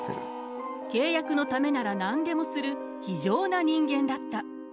契約のためなら何でもする非情な人間だった。